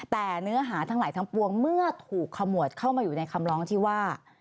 แต่เนื้อหาทั้งหลายทั้งปวงเมื่อถูกขมวดเข้ามาอยู่ในคำร้องที่ว่า